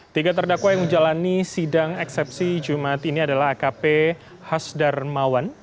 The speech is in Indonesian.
tiga terdakwa yang menjalani sidang eksepsi jumat ini adalah akp hasdarmawan